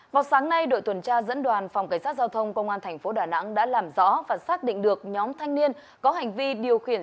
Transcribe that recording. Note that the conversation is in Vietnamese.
vào sáng nay đội tuần tra dẫn đoàn phòng cảnh sát giao thông công an tp đà nẵng đã làm rõ và xác định được nhóm thanh niên có hành vi điều khiển